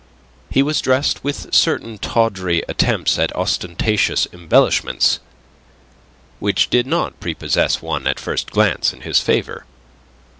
He was dressed with certain tawdry attempts at ostentatious embellishments, which did not prepossess one at first glance in his favour.